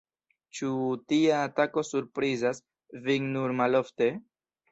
Ĉu tia atako surprizas vin nur malofte?